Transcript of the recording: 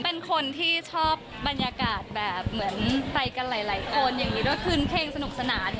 เป็นคนที่ชอบบรรยากาศแบบเหมือนไปกันหลายคนอย่างนี้ด้วยคืนเพลงสนุกสนาน